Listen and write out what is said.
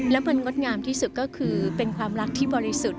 และมันงดงามที่สุดก็คือเป็นความรักที่บริสุทธิ์